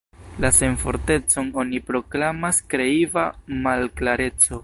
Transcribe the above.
La senfortecon oni proklamas kreiva malklareco.